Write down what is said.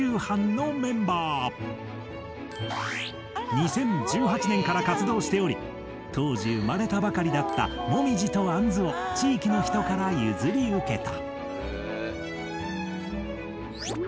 ２０１８年から活動しており当時生まれたばかりだったもみじとあんずを地域の人から譲り受けた。